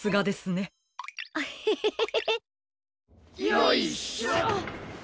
よいしょ。